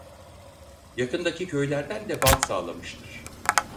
Yakındaki köylerden de bal sağlamıştır.